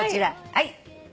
はい。